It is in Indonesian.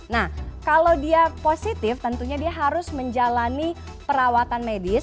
nah kalau dia positif tentunya dia harus menjalani perawatan medis